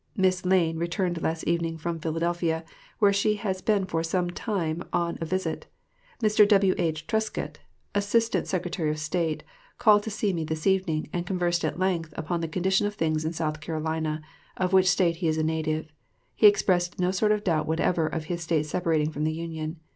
Miss Lane returned last evening from Philadelphia, where she had been for some time on a visit. Mr. W.H. Trescott, Assistant Secretary of State, called to see me this evening, and conversed at length upon the condition of things in South Carolina, of which State he is a native. He expressed no sort of doubt whatever of his State separating from the Union.